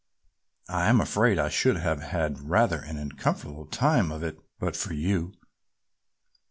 "I am afraid I should have had rather an uncomfortable time of it but for you."